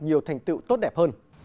nhiều thành tựu tốt đẹp hơn